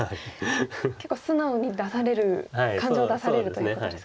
結構素直に出される感情を出されるということですかね。